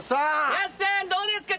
安さんどうですか？